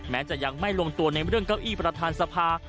จะยังไม่ลงตัวในเรื่องเก้าอี้ประธานสภา